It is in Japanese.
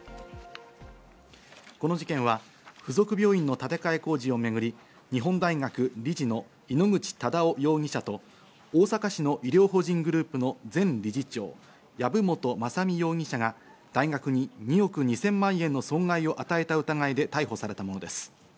この事件は付属病院の建て替え工事をめぐり、日本大学理事の井ノ口忠男容疑者と大阪市の医療法人グループの前理事長・籔本雅巳容疑者が大学に２億２０００万円の損害を与えた疑いで逮捕されたものです。